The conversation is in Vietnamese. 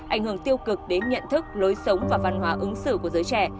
ảnh hưởng tiêu cực đến nhận thức lối sống và văn hóa ứng xử của giới trẻ